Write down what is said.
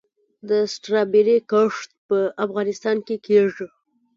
د سټرابیري کښت په افغانستان کې کیږي؟